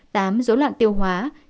tám dấu loạn tiêu hóa